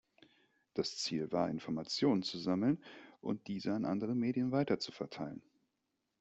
Das Ziel war, Informationen zu sammeln und diese an andere Medien weiter zu verteilen.